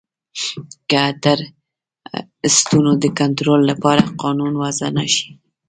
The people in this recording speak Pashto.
که د ټرسټونو د کنترول لپاره قانون وضعه نه شي.